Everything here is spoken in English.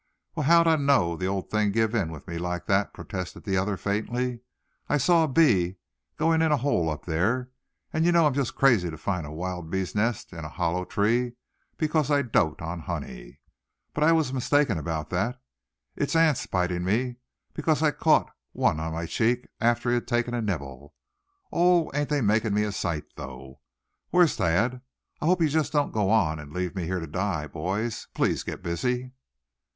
"Well, how'd I know the old thing'd give in with me like that?" protested the other, faintly. "I saw a bee going in a hole up there; and you know I'm just crazy to find a wild bees' nest in a hollow tree, because I dote on honey. But I was mistaken about that; it's ants biting me; because I caught one on my cheek after he'd taken a nibble. Oh! ain't they making me a sight, though? Where's Thad? I hope you don't just go on, and leave me here to die, boys. Please get busy!"